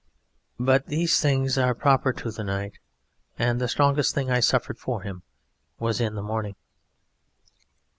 But these things are proper to the night and the strongest thing I suffered for him was in the morning.